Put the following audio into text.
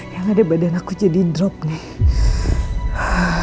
yang ada badan aku jadi drop nih